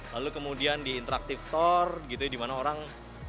lalu kemudian di interactive tour di mana orang